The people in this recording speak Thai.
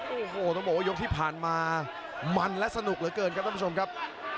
โอ้โหต้องบอกว่ายกที่ผ่านมามันและสนุกเหลือเกินครับท่านผู้ชมครับ